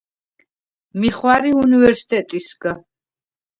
მი ხვა̈რი უნივერსტეტისგა.